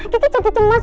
kiki cemputin mas